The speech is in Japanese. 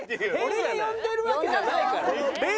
俺が呼んでるわけじゃないから。